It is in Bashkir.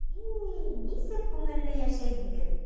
И-и, нисек күңелле йәшәйһегеҙ!